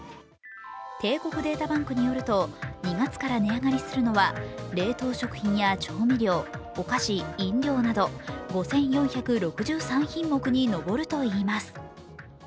帝国データバンクによると２月から値上がりするのは冷凍食品や調味料、お菓子、飲料など５４６３品目に上るといいます。